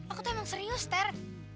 aku tuh emang serius ster